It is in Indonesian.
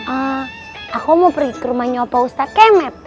ah aku mau pergi ke rumahnya opo ustadz kemed